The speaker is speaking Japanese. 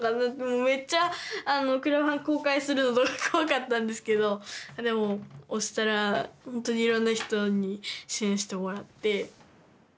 めっちゃクラファン公開するのとか怖かったんですけどでも押したらほんとにいろんな人に支援してもらって。